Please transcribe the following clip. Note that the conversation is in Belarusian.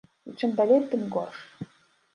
І чым далей, тым горш.